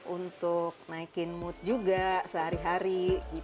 untuk naikin mood juga sehari hari